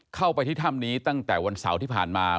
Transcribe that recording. เข้าไปที่ถ้ำนี้ตั้งแต่วันเสาร์ที่ผ่านมา